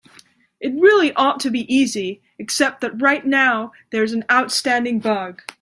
It really ought to be easy, except that right now there's an outstanding bug.